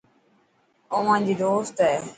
او مانجي دوست هي.